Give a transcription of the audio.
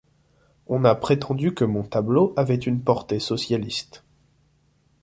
On a prétendu que mon tableau avait une portée socialiste.